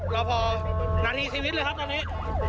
รอพอนาทีชีวิตเลยครับตอนนี้